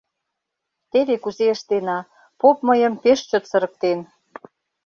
— Теве кузе ыштена: поп мыйым пеш чот сырыктен.